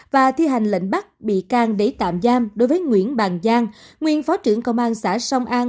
và thi hành lệnh bắt bị can để tạm giam đối với nguyễn bàn giang nguyên phó trưởng công an xã sông an